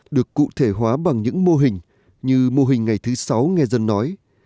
được cụ thể hóa bằng những mô hình như mô hình ngày thứ sáu nghe dân nói